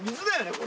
これ。